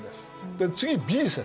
で次Ｂ説。